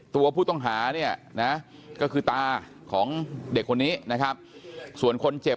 ตัวผู้ต้องหาเนี่ยนะก็คือตาของเด็กคนนี้นะครับส่วนคนเจ็บ